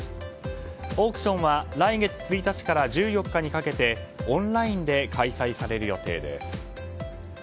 オークションは来月１日から１４日にかけてオンラインで開催される予定です。